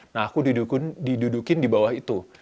nah aku didudukin di bawah itu